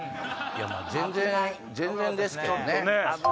全然ですけどね。